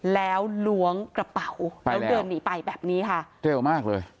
แล้วล้วงกระเป๋าแล้วเดินหนีไปแบบนี้ค่ะเร็วมากเลย